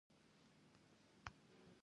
د فراغت تحصیلي سند باید ولري.